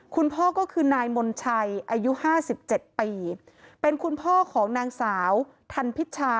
คุณพ่อก็คือนายมนต์ชัยอายุ๕๗ปีเป็นคุณพ่อของนางสาวทันพิชชา